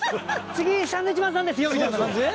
次サンドウィッチマンさんですよみたいな感じで？